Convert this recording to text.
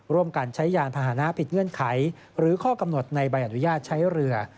ร่วมกันใช้ยานพาหนะผิดเงื่อนไขหรือข้อกำหนดในใบอนุญาตใช้เรือ